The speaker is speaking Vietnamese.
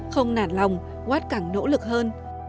không nản lòng watt càng nỗ lực hơn